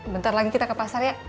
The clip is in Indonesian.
bentar lagi kita ke pasar ya